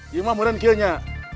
iya mah kemarin kira kira